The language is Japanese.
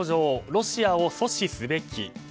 ロシアを阻止すべき。